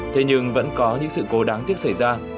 thế nhưng vẫn có những sự cố đáng tiếc xảy ra